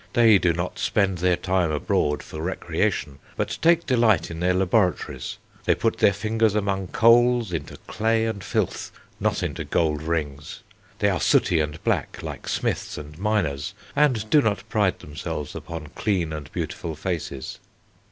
They do not spend their time abroad for recreation, but take delight in their laboratories. They put their fingers among coals, into clay and filth, not into gold rings. They are sooty and black, like smiths and miners, and do not pride themselves upon clean and beautiful faces."